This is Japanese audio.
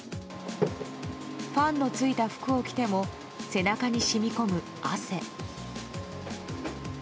ファンのついた服を着ても背中に染み込む汗。